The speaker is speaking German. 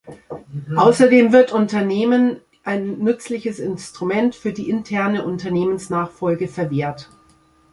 Außerdem wird Unternehmen ein nützliches Instrument für die interne Unternehmensnachfolge verwehrt.